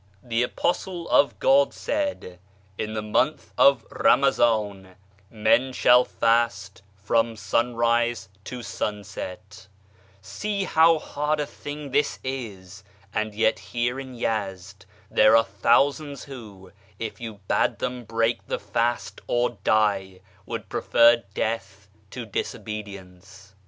Tlie Apostle of God said, ' in the month of l\amaz; in men shall last from sunrise to sunset' See liow haul a thint^' this is ; and yet here in Yezd there are thousands who, if you bade them break the fast or die, would prefer death to disobedience.